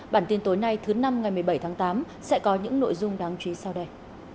bản tin tối nay thứ năm ngày một mươi bảy tháng tám sẽ có những nội dung đáng chú ý sau đây